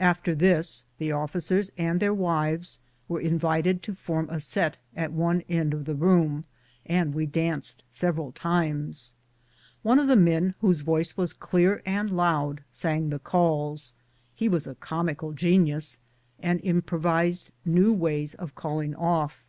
After this the officers and their wives were invited to form a set at oi]e end of the room, and we danced several times. One of the men whose voice was clear and loud sang the calls. He was a comical genius, and impro vised new ways of calling off.